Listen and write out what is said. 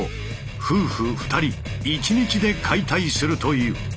夫婦２人１日で解体するという。